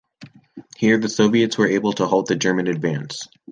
Here the Soviets were able to halt the German advance.